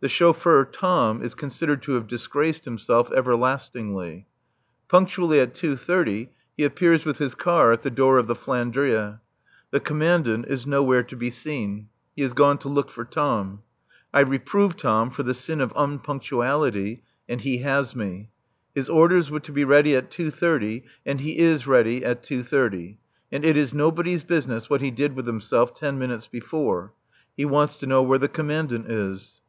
The chauffeur Tom is considered to have disgraced himself everlastingly. Punctually at two thirty he appears with his car at the door of the "Flandria." The Commandant is nowhere to be seen. He has gone to look for Tom. I reprove Tom for the sin of unpunctuality, and he has me. His orders were to be ready at two thirty and he is ready at two thirty. And it is nobody's business what he did with himself ten minutes before. He wants to know where the Commandant is.